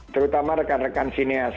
terutama rekan rekan sineas